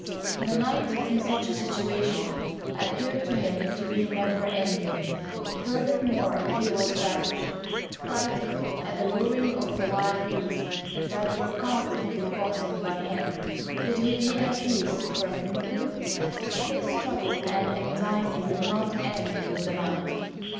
The night, in such a situation, appeared to him to be never ending; furthermore, he was famished, frightened at the roaring of the wild beasts, that were constantly passing by him. Could he be at peace for an instant? His trouble and anxiety did not end with the night.